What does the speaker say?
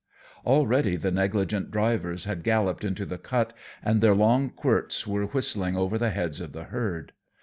Already the negligent drivers had galloped into the cut, and their long quirts were whistling over the heads of the herd.